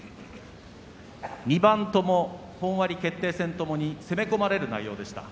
２番とも本割、決定戦ともに攻め込まれる内容でした。